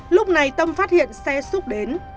lúc này tâm phát hiện xe xúc đến